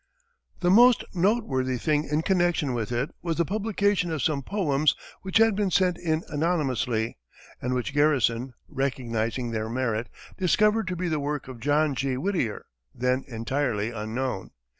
The most noteworthy thing in connection with it was the publication of some poems which had been sent in anonymously, and which Garrison, recognizing their merit, discovered to be the work of John G. Whittier, then entirely unknown.